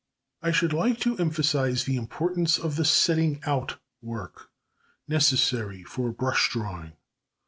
I should like to emphasise the importance of the setting out work necessary for brush drawing.